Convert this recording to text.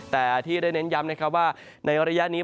แต่ที่ได้เน้นย้ำว่าในอันระยะนี้